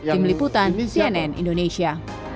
di meliputan cnn indonesia